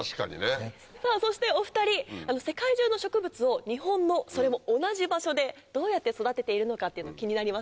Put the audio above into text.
さぁそしてお２人世界中の植物を日本のそれも同じ場所でどうやって育てているのかっていうの気になりませんか？